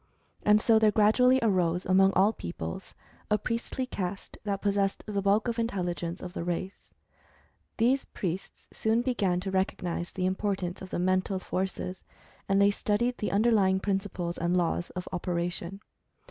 And, so, there gradually arose, among all peoples, a priestly caste that possessed the bulk of intelligence of the race. These priests soon began to recognize the im y/ portance of the Mental Forces, and they studied the underlying principles and laws of operation.